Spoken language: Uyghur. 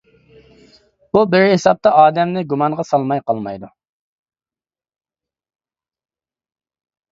بۇ بىر ھېسابتا ئادەمنى گۇمانغا سالماي قالمايدۇ.